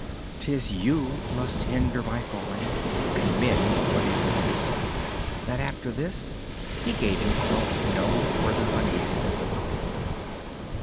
It is You who must hinder my falling and mend what is amiss." Then, after this, he gave himself no further uneasiness about it.